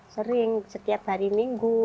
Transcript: sering setiap hari minggu